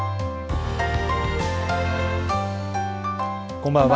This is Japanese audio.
こんばんは。